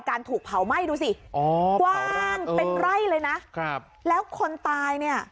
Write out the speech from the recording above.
ถูกเผาไหม้ดูสิอ๋อกว้างเป็นไร่เลยนะครับแล้วคนตายเนี่ย